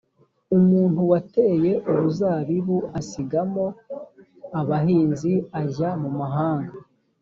umuntu wateye uruzabibu asigamo abahinzi ajya mu mahanga